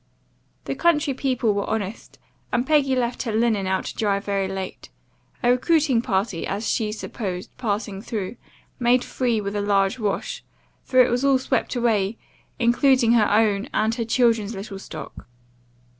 "The country people were honest, and Peggy left her linen out to dry very late. A recruiting party, as she supposed, passing through, made free with a large wash; for it was all swept away, including her own and her children's little stock.